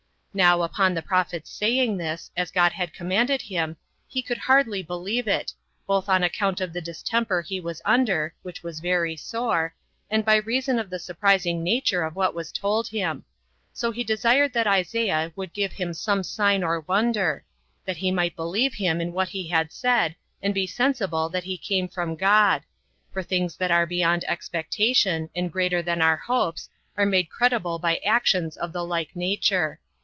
Now, upon the prophet's saying this, as God had commanded him, he could hardly believe it, both on account of the distemper he was under, which was very sore, and by reason of the surprising nature of what was told him; so he desired that Isaiah would give him some sign or wonder, that he might believe him in what he had said, and be sensible that he came from God; for things that are beyond expectation, and greater than our hopes, are made credible by actions of the like nature.